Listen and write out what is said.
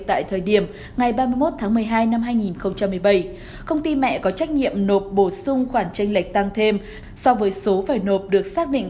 tại thời điểm ngày ba mươi một tháng một mươi hai năm hai nghìn một mươi bảy công ty mẹ có trách nhiệm nộp bổ sung khoản tranh lệch tăng thêm so với số phải nộp được xác định